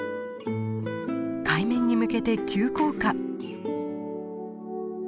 海面に向けて急降下。